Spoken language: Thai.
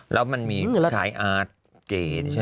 แล้วมันมีขายอาร์ตเกส